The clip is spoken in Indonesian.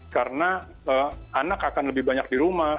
karena anak akan lebih banyak di rumah